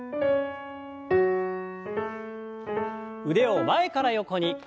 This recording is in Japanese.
腕を前から横に。